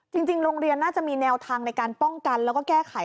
จริงโรงเรียนน่าจะมีแนวทางในการป้องกันแล้วก็แก้ไข